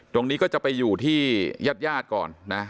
ตรงนี้ก็จะไปอยู่ที่ญาติญาติก่อนนะ